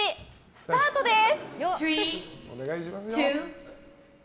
スタートです！